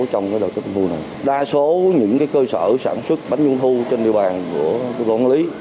trong đợt tết trung thu này đa số những cơ sở sản xuất bánh trung thu trên địa bàn của quốc lý